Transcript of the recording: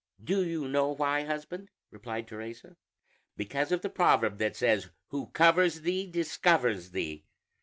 "Do you know why, husband?" replied Teresa; "because of the proverb that says, 'Who covers thee, discovers thee.'